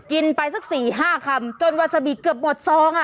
กินไปสัก๔๕คำจนวาซาบิเกือบหมดซอง